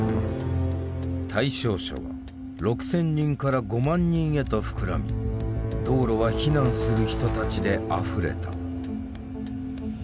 対象者は６千人から５万人へと膨らみ道路は避難する人たちであふれた。